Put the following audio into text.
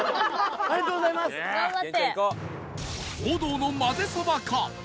王道のまぜそばか？